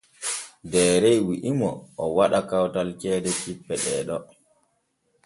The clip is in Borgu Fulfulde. Deere wi’i mo o waɗa kawtal ceede cippe ɗee ɗo.